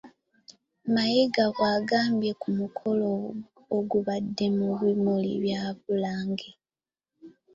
Mayiga bwagambye ku mukolo ogubadde mu bimuli bya Bulange.